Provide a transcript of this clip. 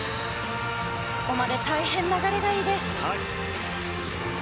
ここまで大変流れがいいです。